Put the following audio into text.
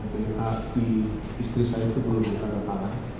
bap istri saya itu belum dikandalkan